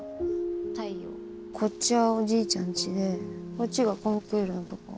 こっちはおじいちゃんちでこっちがコンクールのとこ。